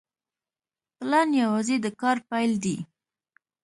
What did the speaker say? پلان یوازې د کار پیل دی